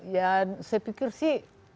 ya saya pikir sih